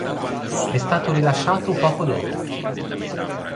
È stato rilasciato poco dopo.